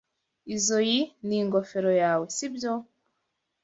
Izoi ni ingofero yawe, sibyo?